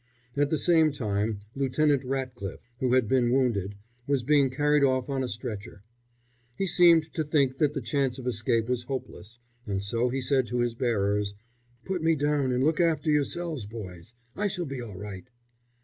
At the same time Lieutenant Ratcliffe, who had been wounded, was being carried off on a stretcher. He seemed to think that the chance of escape was hopeless, and so he said to his bearers, "Put me down and look after yourselves, boys. I shall be all right."